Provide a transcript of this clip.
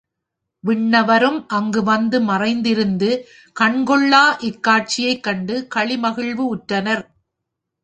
விண்ணவரும் அங்குவந்து மறைந்திருந்து கண்கொள்ளா இக் காட்சியைக் கண்டு களிமகிழ்வு உற்றனர்.